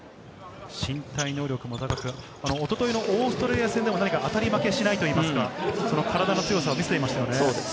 身体能力も高く、一昨日のオーストラリア戦でも当たり負けしないというか、体の強さを見せていましたよね。